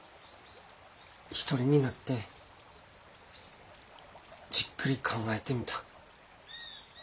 一人になってじっくり考えてみた。